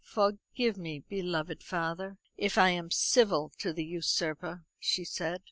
"Forgive me, beloved father, if I am civil to the usurper." she said.